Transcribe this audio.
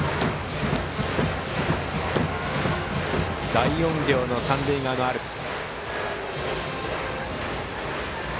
大音量の三塁側のアルプス。